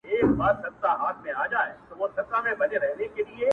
ســتا لپـــاره خــــو دعـــــا كـــــړم.